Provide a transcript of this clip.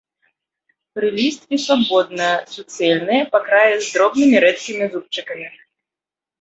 Прылісткі свабодныя, суцэльныя, па краі з дробнымі рэдкімі зубчыкамі.